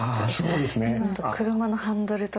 今だと車のハンドルとか。